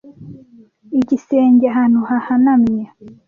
igisenge ahantu hahanamye